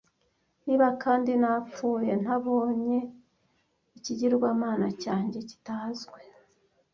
niba kandi napfuye ntabonye ikigirwamana cyanjye kitazwi